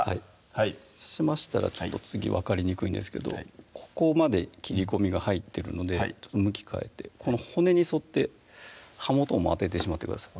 はいそうしまたらちょっと次分かりにくいんですけどここまで切り込みが入ってるので向き変えてこの骨に沿って刃元をもう当ててしまってください